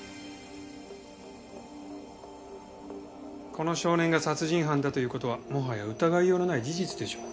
この少年が殺人犯だという事はもはや疑いようのない事実でしょう。